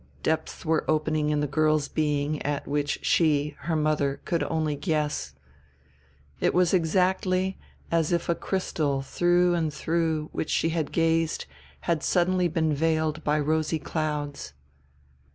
Depths were opening in the girl's being at which she, her mother, could only guess. It was exactly as if a crystal through and through which she had gazed had suddenly been veiled by rosy clouds.